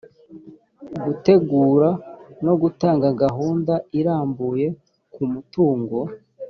gutegura no gutanga gahunda irambuye ku mutungo